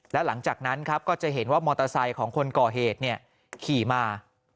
แล้วหลังจากนั้นครับก็จะเห็นว่ามอเตอร์ไซค์ของคนก่อเหตุขี่มา